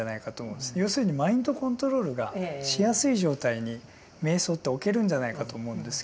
要するにマインドコントロールがしやすい状態に瞑想っておけるんじゃないかと思うんですけど。